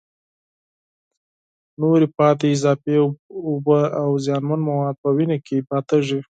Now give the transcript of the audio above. نورې پاتې اضافي اوبه او زیانمن مواد په وینه کې پاتېږي.